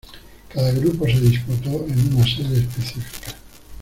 Cada grupo se disputó en una sede específica.